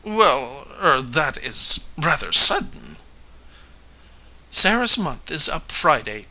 "Well er that is rather sudden." "Sarah's month is up Friday.